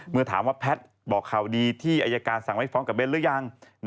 เมื่อถามว่าแพทย์บอกข่าวดีที่อายการสั่งไม่ฟ้องกับเน้นหรือยัง